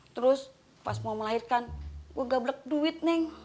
terus pas mau melahirkan gue gablek duit nih